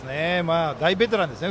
大ベテランですよね